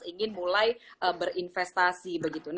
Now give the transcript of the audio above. ingin mulai berinvestasi